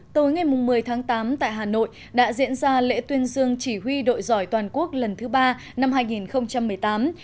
tối ngày một mươi tháng tám tại hà nội đã diễn ra lễ tuyên dương chỉ huy đội giỏi toàn quốc lần thứ ba năm hai nghìn một mươi tám